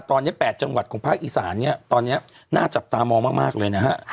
ตอนนี้๘จังหวัดของภาคอีสานเนี่ยตอนนี้น่าจับตามองมากเลยนะฮะ